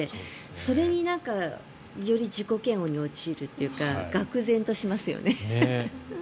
それにより自己嫌悪に陥るというかがく然としますよね。